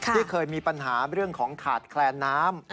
ที่เคยมีปัญหาเรื่องของขาดแคลนน้ำ